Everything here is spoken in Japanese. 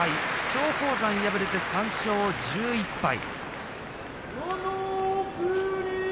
松鳳山、敗れて３勝１１敗。